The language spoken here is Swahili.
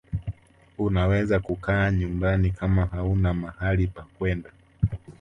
unaweza kukaa nyumbani kama hauna mahali pakwenda